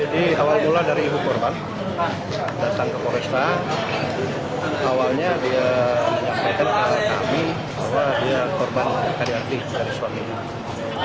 korban ini adalah korban karyanti dari suaminya